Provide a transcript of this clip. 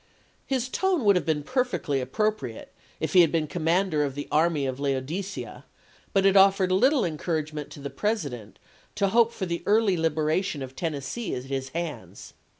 His tone would have been perfectly appropriate if he had been commander of the army of Laodicea, but it offered little encouragement to the President to hope for the early liberation of Tennessee at his hands.